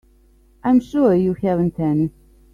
I'm sure you haven't any.